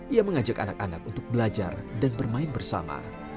ia mengajak anak anak untuk belajar dan bermain bersama